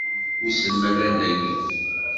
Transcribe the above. Wissen ma llan dagi?